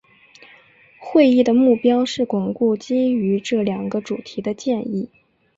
会议的目标是巩固基于这两个主题的建议。